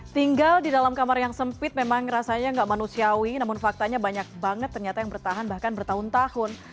tinggal di dalam kamar yang sempit memang rasanya nggak manusiawi namun faktanya banyak banget ternyata yang bertahan bahkan bertahun tahun